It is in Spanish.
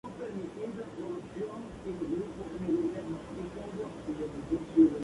Ninguno de los niños tampoco asistió a la escuela.